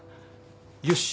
よし。